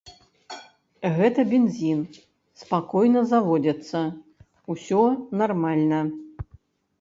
Гэта бензін, спакойна заводзіцца, усё нармальна.